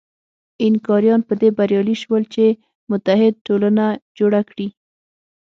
اینکاریان په دې بریالي شول چې متحد ټولنه جوړه کړي.